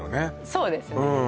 そうですね